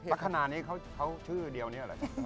ลักษณะเค้าชื่อเดียวนี่ละ